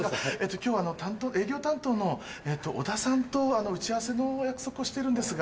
今日は営業担当のオダさんと打ち合わせのお約束をしてるんですが。